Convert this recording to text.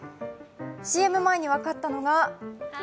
ＣＭ前に分かったのが。